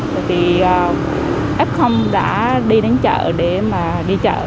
bởi vì f đã đi đến chợ để mà đi chợ